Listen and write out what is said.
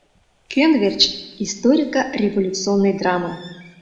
«Кӧн верч?» — историко-революционный драме.